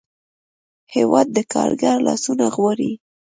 هېواد د کارګر لاسونه غواړي.